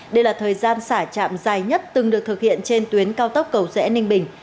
đây là thời gian xả chạm dài nhất từng được thực hiện trên tuyến cao tốc cầu rẽ ninh bình